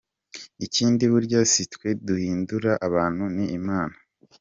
ikindi burya sitwe dubindura abantu ni Imana.